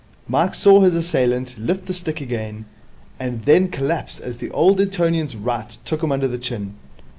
Mike saw his assailant lift the stick again, and then collapse as the old Etonian's right took him under the chin.